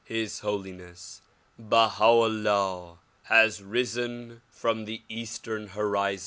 His Holiness Baha 'Ullah has risen from the eastern horizon.